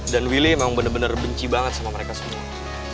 dan willy emang bener bener benci banget sama mereka semua